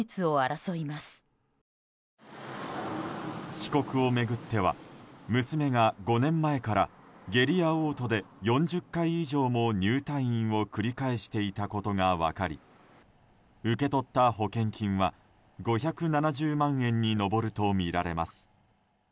被告を巡っては娘が５年前から下痢や嘔吐で４０回以上も入退院を繰り返していたことが分かり受け取った保険金は５７０万円に上るとみられます。